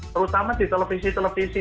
terutama di televisi televisi